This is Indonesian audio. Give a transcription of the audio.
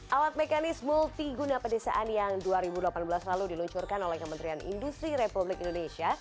alat mekanis multiguna pedesaan yang dua ribu delapan belas lalu diluncurkan oleh kementerian industri republik indonesia